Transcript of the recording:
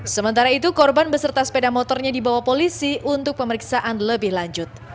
sementara itu korban beserta sepeda motornya dibawa polisi untuk pemeriksaan lebih lanjut